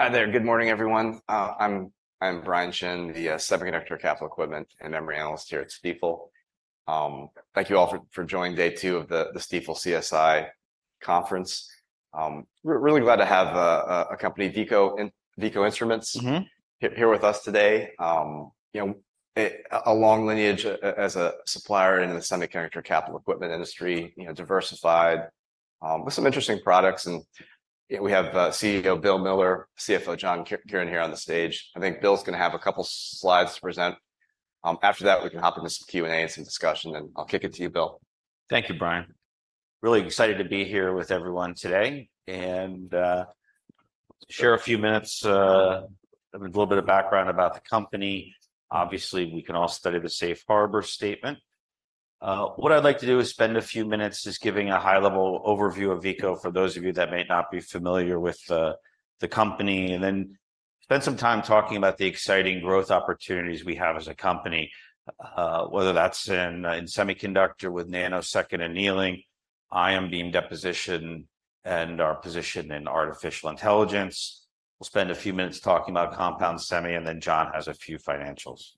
Hi there. Good morning, everyone. I'm Brian Chin, the semiconductor capital equipment and memory analyst here at Stifel. Thank you all for joining day two of the Stifel CSI conference. We're really glad to have a company, Veeco, and Veeco Instruments- Mm-hmm. Here with us today. You know, a long lineage as a supplier in the semiconductor capital equipment industry, you know, diversified with some interesting products. And, yeah, we have CEO, Bill Miller, CFO, John Kiernan here on the stage. I think Bill's gonna have a couple slides to present. After that, we can hop into some Q&A and some discussion, and I'll kick it to you, Bill. Thank you, Brian. Really excited to be here with everyone today, and, share a few minutes, a little bit of background about the company. Obviously, we can all study the safe harbor statement. What I'd like to do is spend a few minutes just giving a high-level overview of Veeco, for those of you that may not be familiar with, the company, and then spend some time talking about the exciting growth opportunities we have as a company, whether that's in semiconductor with Nanosecond Annealing, ion beam deposition, and our position in artificial intelligence. We'll spend a few minutes talking about compound semi, and then John has a few financials.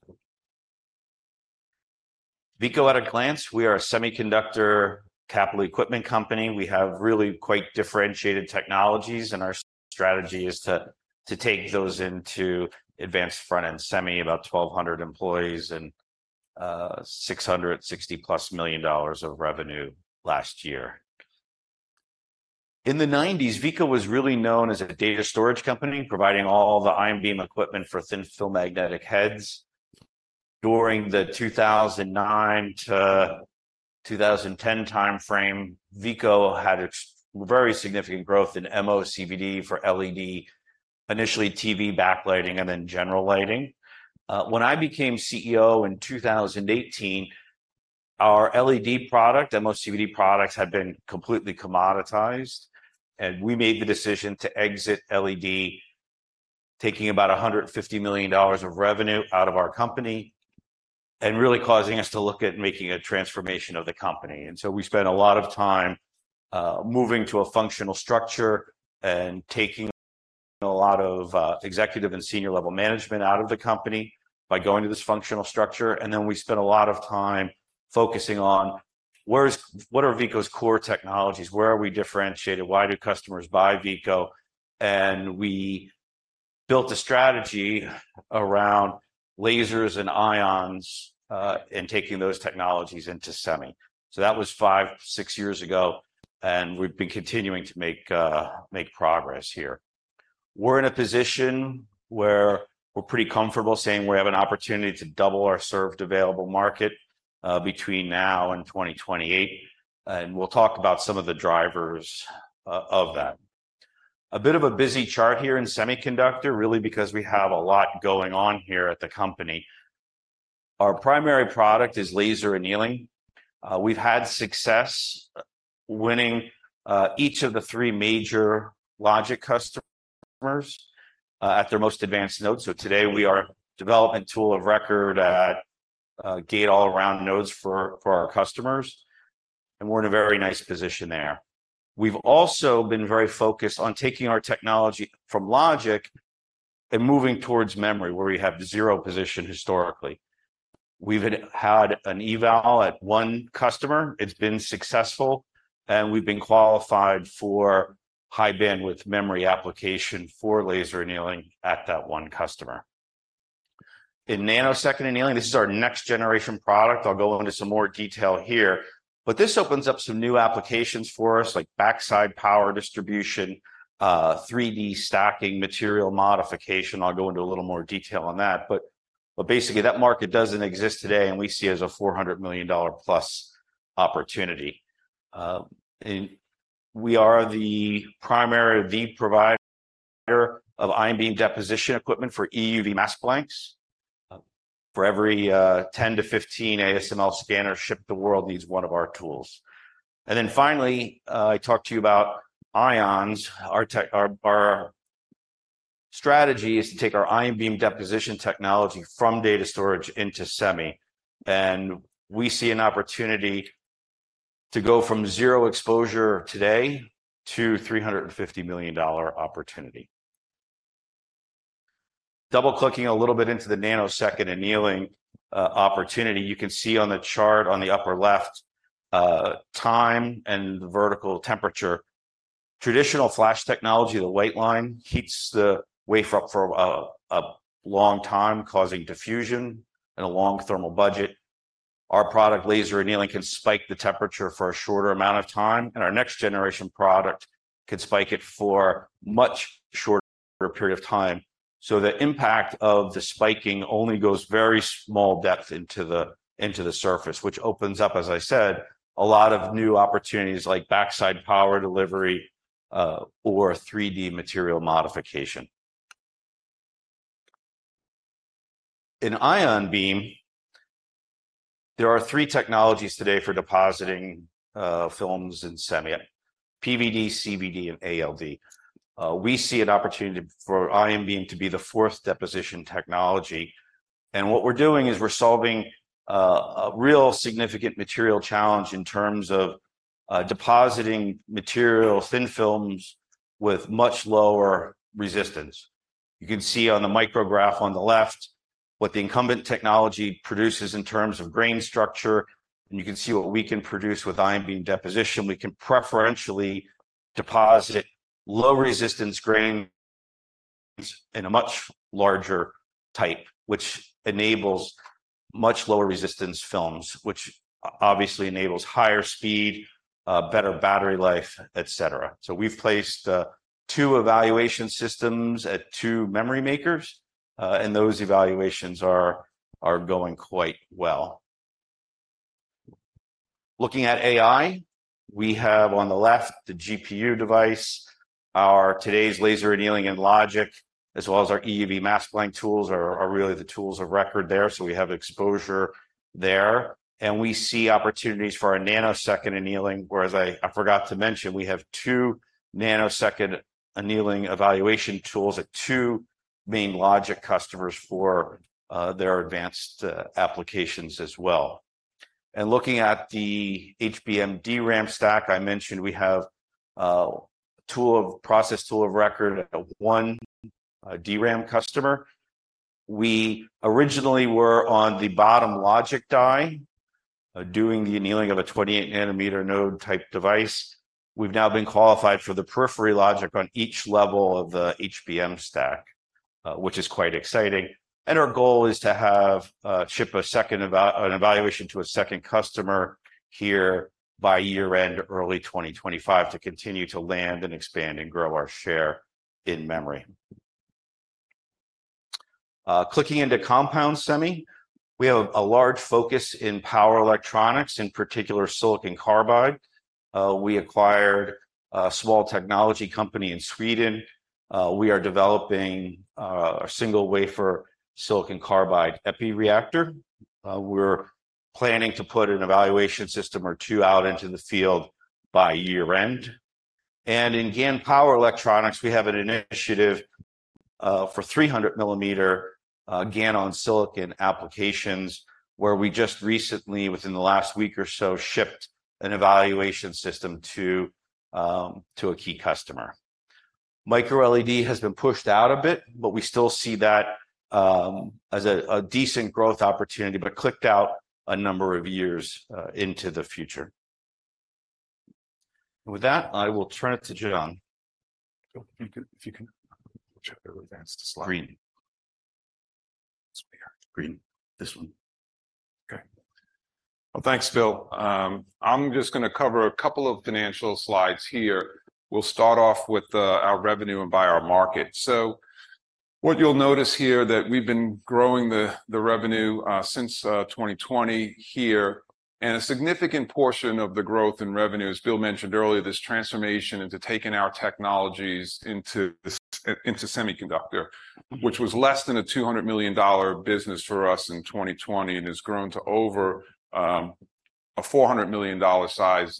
Veeco at a glance, we are a semiconductor capital equipment company. We have really quite differentiated technologies, and our strategy is to take those into advanced front-end semi, about 1,200 employees, and $660+ million of revenue last year. In the 1990s, Veeco was really known as a data storage company, providing all the ion beam equipment for thin film magnetic heads. During the 2009-2010 timeframe, Veeco had a very significant growth in MOCVD for LED, initially TV backlighting and then general lighting. When I became CEO in 2018, our LED product, MOCVD products, had been completely commoditized, and we made the decision to exit LED, taking about $150 million of revenue out of our company, and really causing us to look at making a transformation of the company. So we spent a lot of time moving to a functional structure and taking a lot of executive and senior level management out of the company by going to this functional structure. Then we spent a lot of time focusing on what are Veeco's core technologies? Where are we differentiated? Why do customers buy Veeco? And we built a strategy around lasers and ions and taking those technologies into semi. So that was 5, 6 years ago, and we've been continuing to make progress here. We're in a position where we're pretty comfortable saying we have an opportunity to double our served available market between now and 2028, and we'll talk about some of the drivers of that. A bit of a busy chart here in semiconductor, really, because we have a lot going on here at the company. Our primary product is laser annealing. We've had success winning each of the three major logic customers at their most advanced nodes. So today we are a development tool of record at Gate-All-Around nodes for our customers, and we're in a very nice position there. We've also been very focused on taking our technology from logic and moving towards memory, where we have zero position historically. We've had an eval at one customer. It's been successful, and we've been qualified for High Bandwidth Memory application for laser annealing at that one customer. In Nanosecond Annealing, this is our next generation product. I'll go into some more detail here, but this opens up some new applications for us, like backside power delivery, 3D stacking, material modification. I'll go into a little more detail on that, but basically, that market doesn't exist today, and we see it as a $400 million plus opportunity. And we are the primary provider of ion beam deposition equipment for EUV mask blanks. For every 10-15 ASML scanner shipped, the world needs one of our tools. And then finally, I talked to you about ions. Our strategy is to take our ion beam deposition technology from data storage into semi, and we see an opportunity to go from zero exposure today to $350 million opportunity. Double-clicking a little bit into the Nanosecond Annealing opportunity, you can see on the chart on the upper left, time and the vertical temperature. Traditional flash technology, the white line, heats the wafer up for a long time, causing diffusion and a long thermal budget. Our product, laser annealing, can spike the temperature for a shorter amount of time, and our next generation product can spike it for a much shorter period of time. So the impact of the spiking only goes very small depth into the surface, which opens up, as I said, a lot of new opportunities, like backside power delivery, or 3D material modification. In ion beam, there are three technologies today for depositing films in semi: PVD, CVD, and ALD. We see an opportunity for ion beam to be the fourth deposition technology, and what we're doing is we're solving a real significant material challenge in terms of depositing material thin films with much lower resistance. You can see on the micrograph on the left what the incumbent technology produces in terms of grain structure, and you can see what we can produce with ion beam deposition. We can preferentially deposit low-resistance grain in a much larger type, which enables much lower resistance films, which obviously enables higher speed, better battery life, et cetera. So we've placed 2 evaluation systems at 2 memory makers, and those evaluations are going quite well. Looking at AI, we have on the left the GPU device, our today's laser annealing and logic, as well as our EUV mask blank tools are really the tools of record there. So we have exposure there, and we see opportunities for a Nanosecond Annealing, whereas I forgot to mention, we have two Nanosecond Annealing evaluation tools at two main logic customers for their advanced applications as well. And looking at the HBM DRAM stack, I mentioned we have tool of process, tool of record at one DRAM customer. We originally were on the bottom logic die, doing the annealing of a 28 nanometer node type device. We've now been qualified for the periphery logic on each level of the HBM stack, which is quite exciting. And our goal is to have ship a second evaluation to a second customer here by year end, early 2025, to continue to land and expand and grow our share in memory. Clicking into compound semi, we have a large focus in power electronics, in particular, silicon carbide. We acquired a small technology company in Sweden. We are developing a single wafer silicon carbide Epi reactor. We're planning to put an evaluation system or 2 out into the field by year-end. And in GaN power electronics, we have an initiative for 300-millimeter GaN-on-silicon applications, where we just recently, within the last week or so, shipped an evaluation system to a key customer. MicroLED has been pushed out a bit, but we still see that as a decent growth opportunity, but it pushed out a number of years into the future. With that, I will turn it to John. If you can check the advance to slide. Green. This one here. Green. This one. Okay. Well, thanks, Bill. I'm just gonna cover a couple of financial slides here. We'll start off with our revenue and by our market. So what you'll notice here, that we've been growing the revenue since 2020 here, and a significant portion of the growth in revenue, as Bill mentioned earlier, this transformation into taking our technologies into the semiconductor, which was less than a $200 million business for us in 2020, and has grown to over a $400 million size,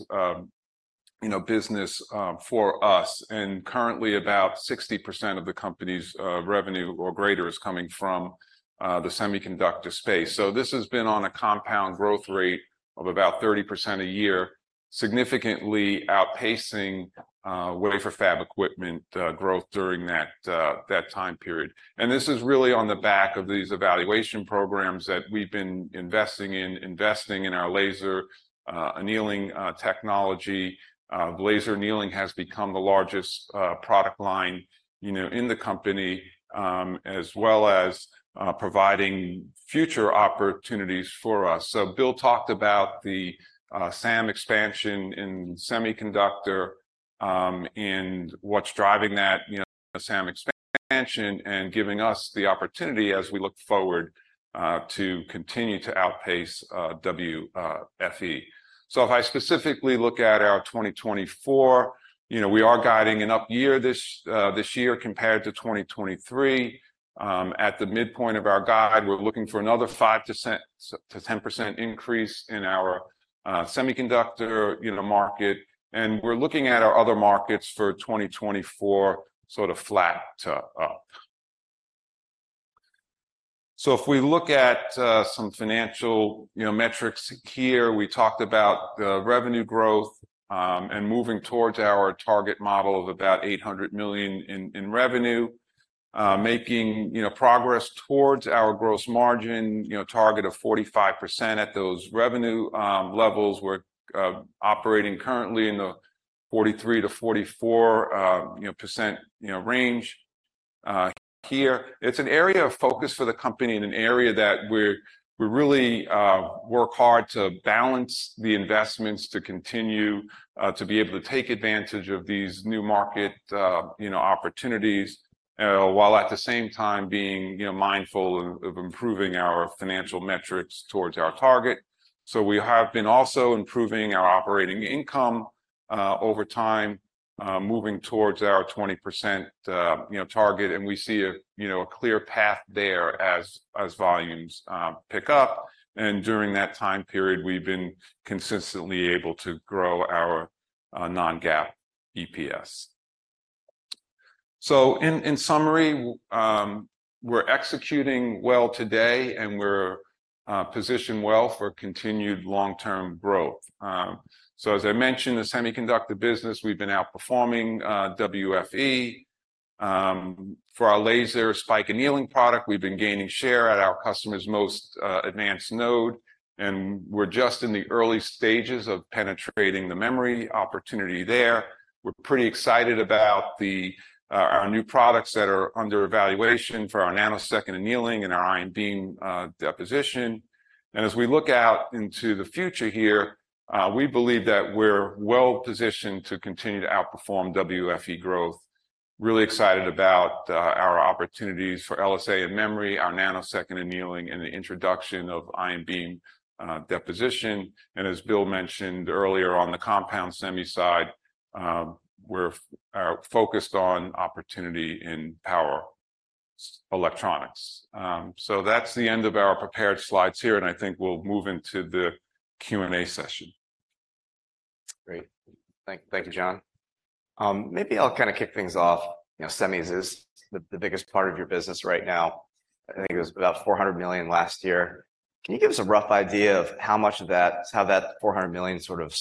you know, business for us. And currently, about 60% of the company's revenue or greater is coming from the semiconductor space. So this has been on a compound growth rate of about 30% a year, significantly outpacing wafer fab equipment growth during that time period. This is really on the back of these evaluation programs that we've been investing in, investing in our laser annealing technology. Laser annealing has become the largest product line, you know, in the company, as well as providing future opportunities for us. So Bill talked about the SAM expansion in semiconductor, and what's driving that, you know, SAM expansion, and giving us the opportunity as we look forward to continue to outpace WFE. So if I specifically look at our 2024, you know, we are guiding an up year this year compared to 2023. At the midpoint of our guide, we're looking for another 5%-10% increase in our semiconductor, you know, market, and we're looking at our other markets for 2024, sort of flat to up. So if we look at some financial, you know, metrics here, we talked about the revenue growth, and moving towards our target model of about $800 million in revenue, making, you know, progress towards our gross margin, you know, target of 45% at those revenue levels. We're operating currently in the 43%-44%, you know, percent, you know, range here. It's an area of focus for the company in an area that we're, we really work hard to balance the investments to continue to be able to take advantage of these new market, you know, opportunities while at the same time being, you know, mindful of improving our financial metrics towards our target. So we have been also improving our operating income over time, moving towards our 20% you know target, and we see a you know a clear path there as volumes pick up, and during that time period, we've been consistently able to grow our non-GAAP EPS. So in summary, we're executing well today, and we're positioned well for continued long-term growth. So as I mentioned, the semiconductor business, we've been outperforming WFE. For our Laser Spike Annealing product, we've been gaining share at our customer's most advanced node, and we're just in the early stages of penetrating the memory opportunity there. We're pretty excited about our new products that are under evaluation for our Nanosecond Annealing and our ion beam deposition. And as we look out into the future here, we believe that we're well positioned to continue to outperform WFE growth. Really excited about our opportunities for LSA and memory, our Nanosecond Annealing, and the introduction of ion beam deposition. And as Bill mentioned earlier on the compound semi side, we're focused on opportunity in power electronics. So that's the end of our prepared slides here, and I think we'll move into the Q&A session. Great. Thank you, John. Maybe I'll kind of kick things off. You know, semis is the biggest part of your business right now. I think it was about $400 million last year. Can you give us a rough idea of how much of that—how that $400 million sort of,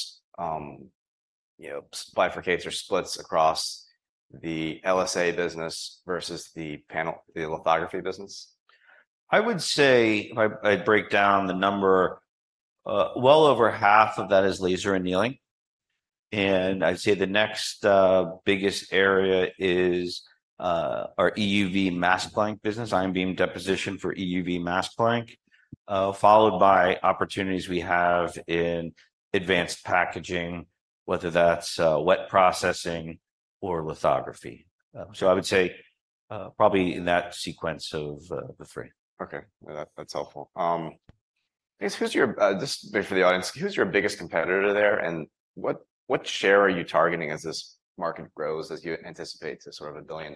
you know, bifurcates or splits across the LSA business versus the panel, the lithography business? I would say, if I break down the number, well over half of that is laser annealing. And I'd say the next biggest area is our EUV mask blank business, ion beam deposition for EUV mask blank, followed by opportunities we have in advanced packaging, whether that's wet processing or lithography. So I would say, probably in that sequence of the three. Okay. That's helpful. I guess, just maybe for the audience, who's your biggest competitor there, and what share are you targeting as this market grows, as you anticipate to sort of $1 billion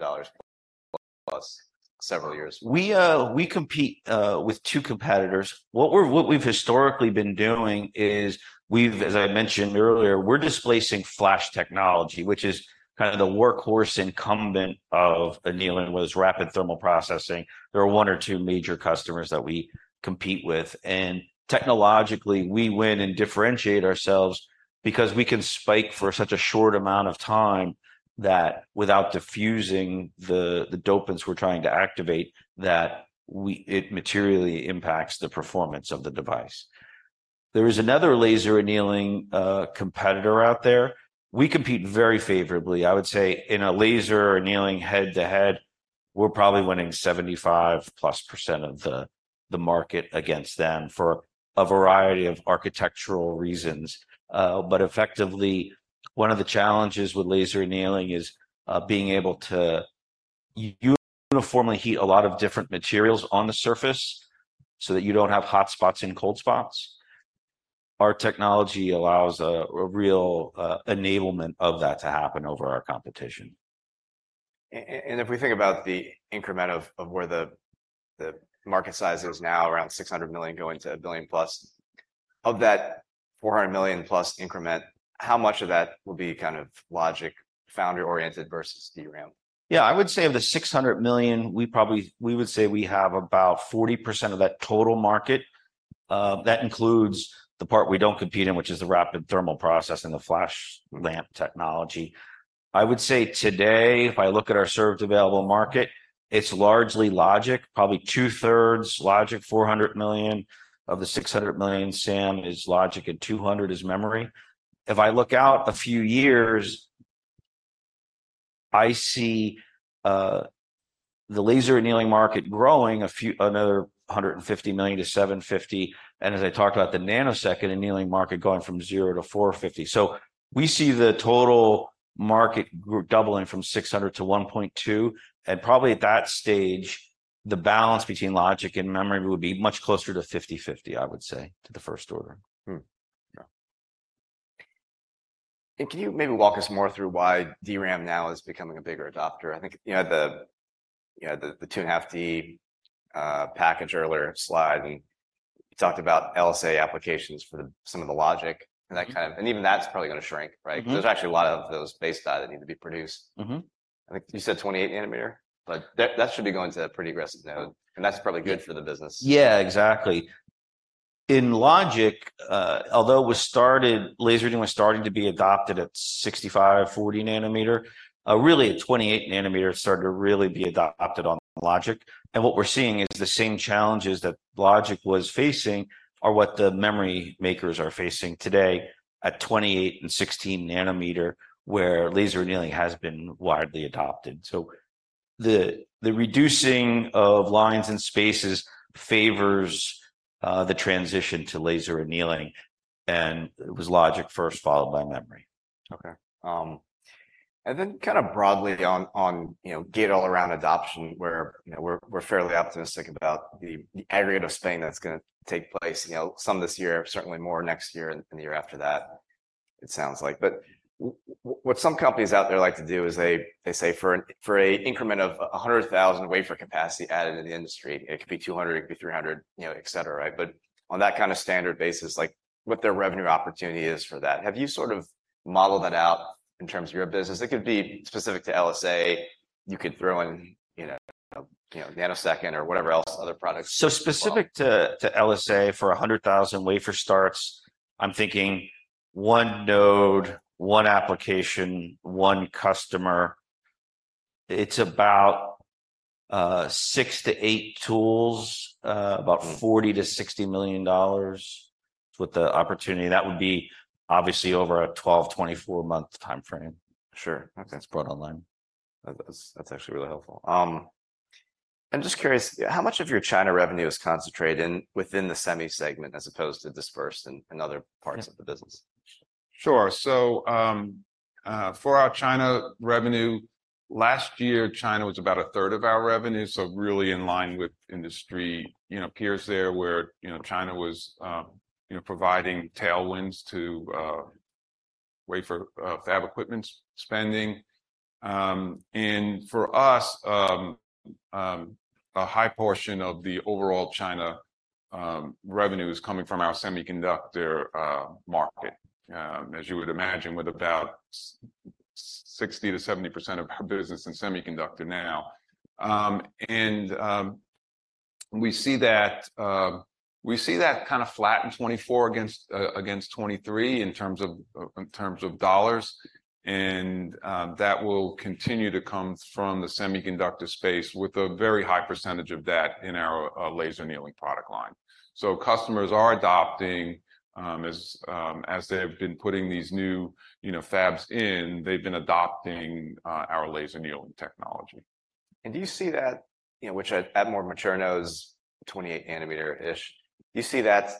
plus several years? We, we compete with two competitors. What we've historically been doing is we've, as I mentioned earlier, we're displacing flash technology, which is kind of the workhorse incumbent of annealing, was rapid thermal processing. There are one or two major customers that we compete with, and technologically, we win and differentiate ourselves because we can spike for such a short amount of time that without diffusing the dopants we're trying to activate, that it materially impacts the performance of the device. There is another laser annealing competitor out there. We compete very favorably. I would say in a laser annealing head-to-head, we're probably winning 75%+ of the market against them for a variety of architectural reasons. But effectively, one of the challenges with laser annealing is being able to uniformly heat a lot of different materials on the surface, so that you don't have hot spots and cold spots. Our technology allows a real enablement of that to happen over our competition. And if we think about the increment of where the market size is now, around $600 million, going to $1 billion plus, of that $400 million plus increment, how much of that will be kind of logic, foundry-oriented versus DRAM? Yeah, I would say of the $600 million, we would say we have about 40% of that total market. That includes the part we don't compete in, which is the rapid thermal process and the flash lamp technology. I would say today, if I look at our served available market, it's largely logic, probably two-thirds logic, $400 million. Of the $600 million, SAM, is logic, and $200 million is memory. If I look out a few years, I see the laser annealing market growing another $150 million to $750 million, and as I talked about, the Nanosecond Annealing market going from $0 to $450 million. So we see the total market doubling from 600 to 1.2, and probably at that stage, the balance between logic and memory would be much closer to 50/50, I would say, to the first order. Hmm. Yeah. And can you maybe walk us more through why DRAM now is becoming a bigger adopter? I think, you know, the 2.5D package earlier slide, and you talked about LSA applications for some of the logic and that kind of... And even that's probably gonna shrink, right? Mm-hmm. There's actually a lot of those base die that need to be produced. Mm-hmm. I think you said 28 nanometer, but that, that should be going to a pretty aggressive node, and that's probably good for the business. Yeah, exactly. In logic, although we started—laser annealing was starting to be adopted at 65, 40 nanometer, really at 28 nanometer, it started to really be adopted on logic. And what we're seeing is the same challenges that logic was facing are what the memory makers are facing today at 28 and 16 nanometer, where laser annealing has been widely adopted. So the reducing of lines and spaces favors the transition to laser annealing, and it was logic first, followed by memory. Okay. And then kind of broadly on, you know, Gate-All-Around adoption, where, you know, we're fairly optimistic about the aggregate of spend that's gonna take place, you know, some this year, certainly more next year and the year after that, it sounds like. But what some companies out there like to do is they say, for an increment of 100,000 wafer capacity added in the industry, it could be 200, it could be 300, you know, et cetera, right? But on that kind of standard basis, what their revenue opportunity is for that. Have you sort of modeled that out in terms of your business? It could be specific to LSA. You could throw in, you know, Nanosecond or whatever else, other products. So specific to LSA, for 100,000 wafer starts, I'm thinking one node, one application, one customer. It's about 6-8 tools. Mm. About $40 million-$60 million with the opportunity. That would be obviously over a 12-24 month timeframe. Sure. Okay. It's brought online. That's, that's actually really helpful. I'm just curious, how much of your China revenue is concentrated in, within the semi segment as opposed to dispersed in, in other parts- Yeah... of the business? Sure. So, for our China revenue, last year, China was about a third of our revenue, so really in line with industry, you know, peers there, where, you know, China was providing tailwinds to wafer fab equipment spending. And for us, a high portion of the overall China revenue is coming from our semiconductor market. As you would imagine, with about 60%-70% of our business in semiconductor now. And we see that kind of flat in 2024 against 2023 in terms of dollars, and that will continue to come from the semiconductor space with a very high percentage of that in our laser annealing product line. So customers are adopting, as they have been putting these new, you know, fabs in, they've been adopting our laser annealing technology. Do you see that, you know, which at more mature nodes, 28 nanometer-ish, do you see that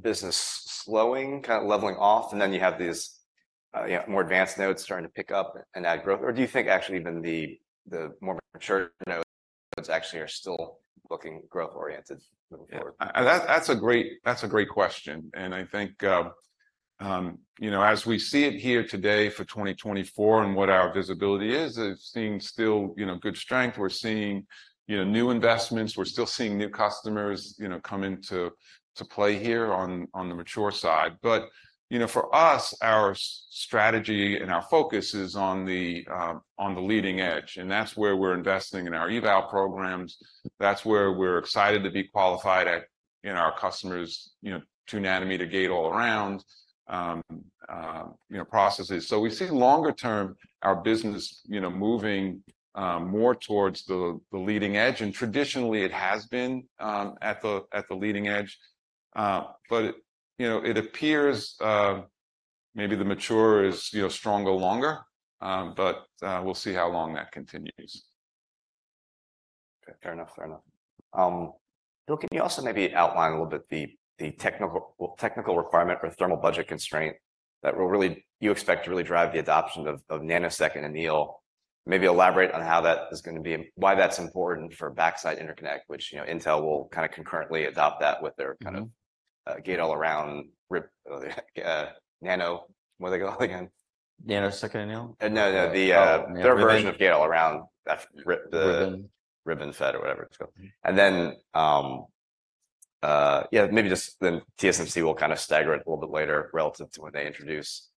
business slowing, kind of leveling off, and then you have these, you know, more advanced nodes starting to pick up and add growth? Or do you think actually even the more mature nodes actually are still looking growth-oriented moving forward? Yeah. That's a great question, and I think, you know, as we see it here today for 2024 and what our visibility is, it's seeing still, you know, good strength. We're seeing, you know, new investments. We're still seeing new customers, you know, come into play here on the mature side. But, you know, for us, our strategy and our focus is on the leading edge, and that's where we're investing in our EUV programs. That's where we're excited to be qualified at our customers, you know, 2-nanometer Gate-All-Around processes. So we see longer term, our business, you know, moving more towards the leading edge, and traditionally it has been at the leading edge. But, you know, it appears maybe the mature is, you know, stronger longer, but we'll see how long that continues. Okay, fair enough. Fair enough. Bill, can you also maybe outline a little bit the technical requirement or thermal budget constraint that will really, you expect to really drive the adoption of nanosecond anneal? Maybe elaborate on how that is gonna be, why that's important for backside interconnect, which, you know, Intel will kind of concurrently adopt that with their- Mm-hmm... kind of, Gate-All-Around ribbon, nano, what do they call again? Nanosecond anneal? No, no, the- Oh... their version of Gate-All-Around, the RibbonFET Ribbon... RibbonFET or whatever it's called. Then, TSMC will kind of stagger it a little bit later relative to when they introduce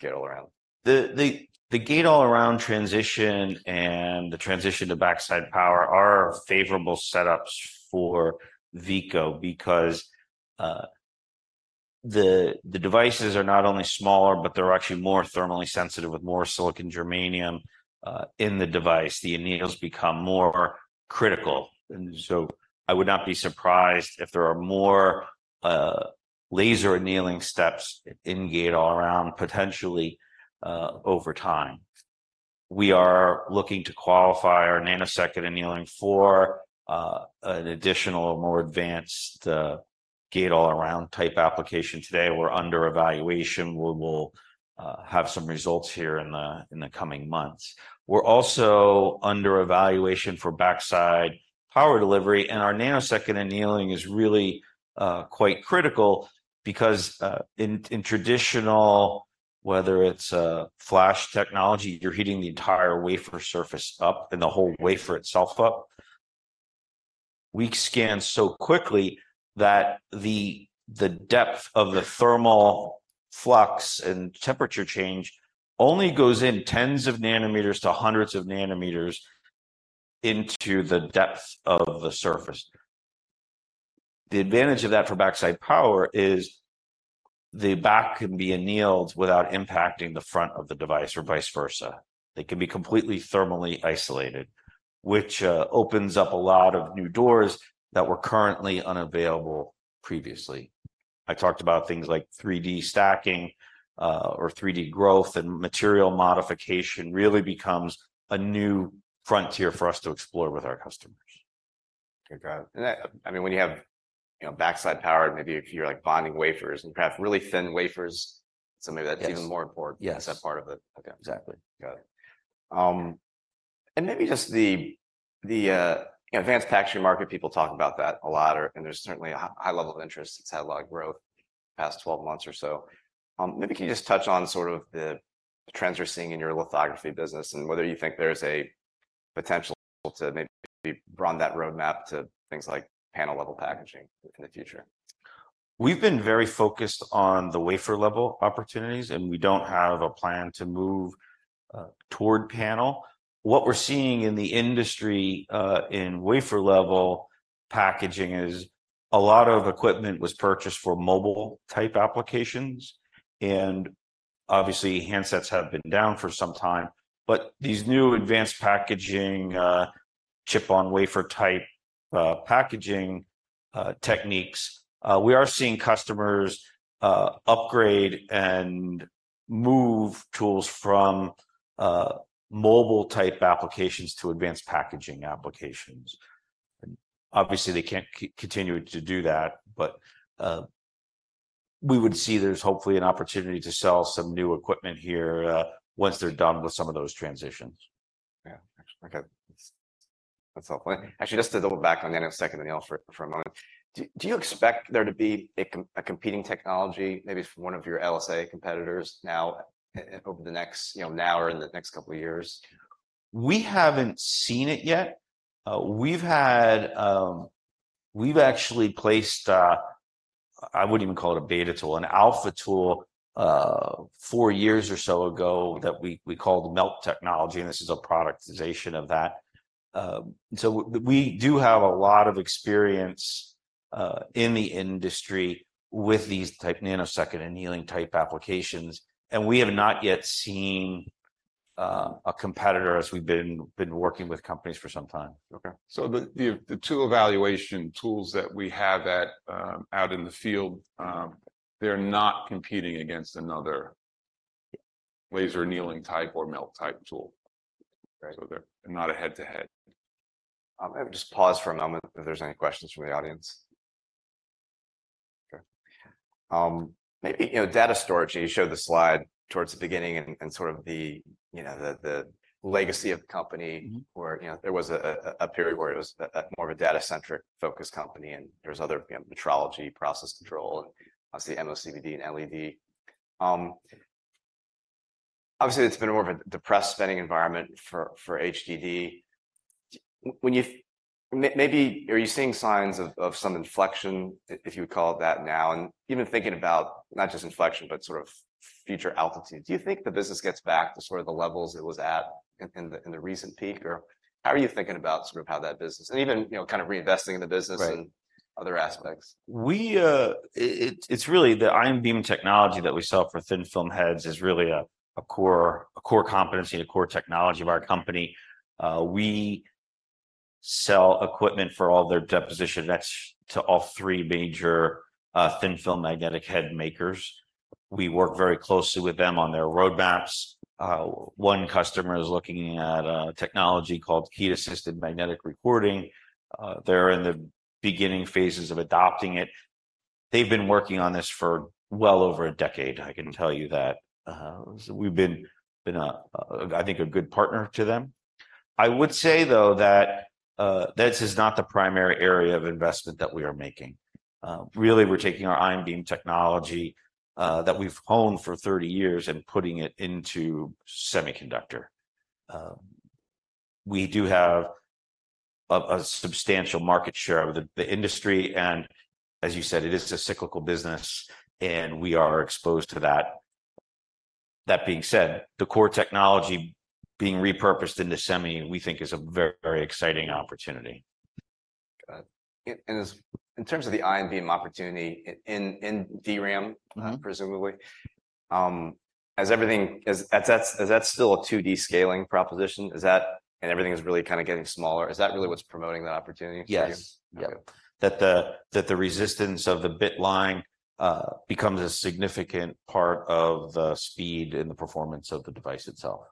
G ate-All-Around. The Gate-All-Around transition and the transition to backside power are favorable setups for Veeco because the devices are not only smaller, but they're actually more thermally sensitive with more silicon germanium in the device. The anneals become more critical, and so I would not be surprised if there are more laser annealing steps in Gate-All-Around, potentially over time. We are looking to qualify our nanosecond Annealing for an additional, more advanced Gate-All-Around type application. Today, we're under evaluation, where we'll have some results here in the coming months. We're also under evaluation for backside power delivery, and our Nanosecond Annealing is really quite critical because in traditional, whether it's flash technology, you're heating the entire wafer surface up and the whole wafer itself up. We scan so quickly that the depth of the thermal flux and temperature change only goes in tens of nanometers to hundreds of nanometers into the depth of the surface. The advantage of that for backside power is, the back can be annealed without impacting the front of the device or vice versa. They can be completely thermally isolated, which opens up a lot of new doors that were currently unavailable previously. I talked about things like 3D stacking, or 3D growth, and material modification really becomes a new frontier for us to explore with our customers. Okay, got it. And that, I mean, when you have, you know, backside power, maybe if you're, like, bonding wafers and you have really thin wafers, so maybe that's- Yes... even more important- Yes... in that part of it. Okay. Exactly. Got it. And maybe just the advanced packaging market, people talk about that a lot, and there's certainly a high level of interest. It's had a lot of growth in the past 12 months or so. Maybe can you just touch on sort of the trends you're seeing in your lithography business and whether you think there's potentially to maybe run that roadmap to things like panel-level packaging in the future? We've been very focused on the wafer-level opportunities, and we don't have a plan to move toward panel. What we're seeing in the industry in wafer-level packaging is a lot of equipment was purchased for mobile-type applications, and obviously, handsets have been down for some time. But these new advanced packaging, chip-on-wafer-type packaging techniques, we are seeing customers upgrade and move tools from mobile-type applications to advanced packaging applications. And obviously, they can't continue to do that, but we would see there's hopefully an opportunity to sell some new equipment here once they're done with some of those transitions. Yeah. Okay. That's helpful. Actually, just to double back on nanosecond anneal for a moment. Do you expect there to be a competing technology, maybe from one of your LSA competitors now, over the next, you know, now or in the next couple of years? We haven't seen it yet. We've had. We've actually placed, I wouldn't even call it a beta tool, an alpha tool, four years or so ago that we called melt technology, and this is a productization of that. So we do have a lot of experience in the industry with these type Nanosecond Annealing-type applications, and we have not yet seen a competitor as we've been working with companies for some time. Okay. So the two evaluation tools that we have out in the field, they're not competing against another laser annealing type or melt type tool. Okay. So they're not a head-to-head. Maybe just pause for a moment if there's any questions from the audience. Okay. Maybe, you know, data storage, and you showed the slide towards the beginning and, and sort of the, you know, the, the legacy of the company- Mm-hmm. where, you know, there was a period where it was more of a data-centric focused company, and there was other, you know, metrology, process control, and obviously MOCVD and LED. Obviously, it's been more of a depressed spending environment for HDD. Maybe are you seeing signs of some inflection, if you would call it that now, and even thinking about not just inflection, but sort of future altitude. Do you think the business gets back to sort of the levels it was at in the recent peak, or how are you thinking about sort of how that business and even, you know, kind of reinvesting in the business- Right... and other aspects? It's really the ion beam technology that we sell for thin-film heads is really a core competency and a core technology of our company. We sell equipment for all their deposition. That's to all three major thin-film magnetic head makers. We work very closely with them on their roadmaps. One customer is looking at a technology called Heat-Assisted Magnetic Recording. They're in the beginning phases of adopting it. They've been working on this for well over a decade, I can tell you that. We've been a good partner to them. I think, I would say, though, that this is not the primary area of investment that we are making. Really, we're taking our ion beam technology that we've honed for 30 years and putting it into semiconductor. We do have a substantial market share of the industry, and as you said, it is a cyclical business, and we are exposed to that. That being said, the core technology being repurposed into semi, we think is a very exciting opportunity. Got it. In terms of the ion beam opportunity in DRAM- Mm-hmm... presumably, has everything—has that, is that still a 2D scaling proposition? Is that... And everything is really kind of getting smaller, is that really what's promoting that opportunity for you? Yes. Okay. Yeah. That the resistance of the bit line becomes a significant part of the speed and the performance of the device itself.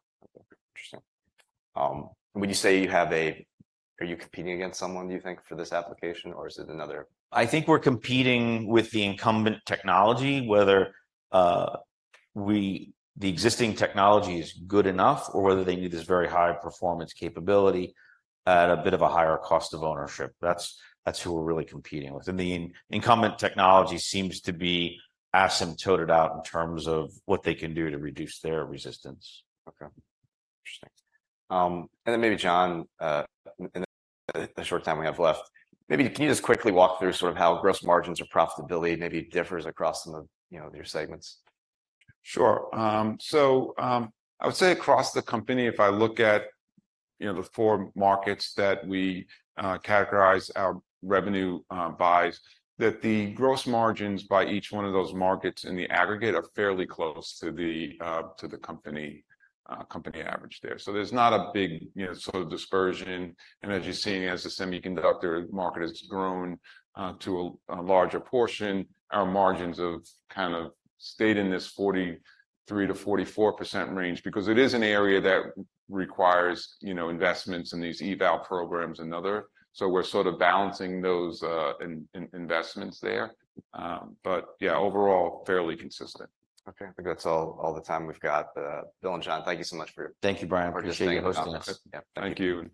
Interesting. Would you say you have a-- Are you competing against someone, do you think, for this application, or is it another- I think we're competing with the incumbent technology, whether the existing technology is good enough, or whether they need this very high-performance capability at a bit of a higher cost of ownership. That's who we're really competing with. The incumbent technology seems to be asymptoted out in terms of what they can do to reduce their resistance. Okay. Interesting. And then maybe, John, in the short time we have left, maybe can you just quickly walk through sort of how gross margins or profitability maybe differs across some of, you know, your segments? Sure. So, I would say across the company, if I look at, you know, the 4 markets that we categorize our revenue by, that the gross margins by each one of those markets in the aggregate are fairly close to the company average there. So there's not a big, you know, sort of dispersion. And as you're seeing, as the semiconductor market has grown to a larger portion, our margins have kind of stayed in this 43%-44% range because it is an area that requires, you know, investments in these eval programs and other. So we're sort of balancing those in investments there. But yeah, overall, fairly consistent. Okay. I think that's all, all the time we've got. Bill and John, thank you so much for- Thank you, Brian. Appreciate you hosting us. Yeah. Thank you.